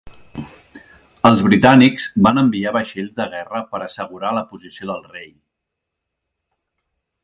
Els britànics van enviar vaixells de guerra per assegurar la posició del rei.